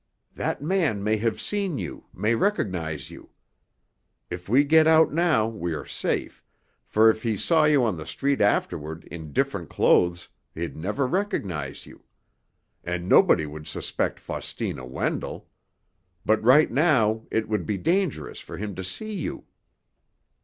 "That man may have seen you, may recognize you. If we get out now we are safe, for if he saw you on the street afterward in different clothes he'd never recognize you. And nobody would suspect Faustina Wendell. But right now it would be dangerous for him to see you."